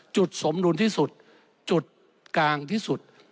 สมดุลที่สุดจุดกลางที่สุด